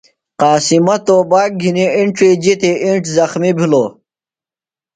قاسمہ توباک گِھنیۡ اِنڇی جِتیۡ، اِنڇ زخمیۡ بھِلوۡ۔